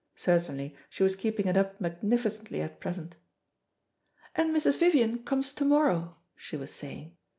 Certainly she was keeping it up magnificently at present. "And Mrs. Vivian comes to morrow," she was saying.